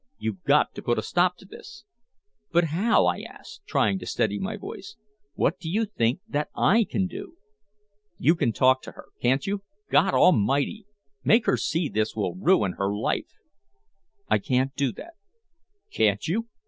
You've got to put a stop to this " "But how?" I asked, trying to steady my voice. "What do you think that I can do?" "You can talk to her, can't you? God Almighty! Make her see this will ruin her life!" "I can't do that." "Can't you?"